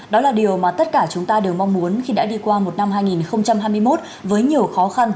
đó là điều mà tất cả chúng ta đều mong muốn khi đã đi qua một năm hai nghìn hai mươi một với nhiều khó khăn